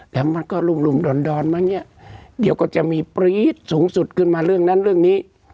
แต่มันก็รุ่มดอนมั้งเนี่ยเดี๋ยวก็จะมีปรี๊ดสูงสุดขึ้นมาเรื่องนั้นเรื่องนี้